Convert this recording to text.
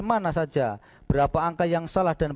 mana saja berapa angka yang salah dan